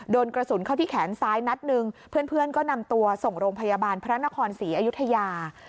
โดนกระสุนเข้าที่แขนซ้ายนัดหนึ่งเพื่อนก็นำตัวส่งโรงพยาบาลพระนครศรีอยุธยา